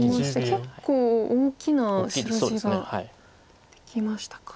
結構大きな白地ができましたか。